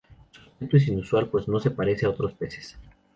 Su aspecto es inusual, pues no se parece a otros peces.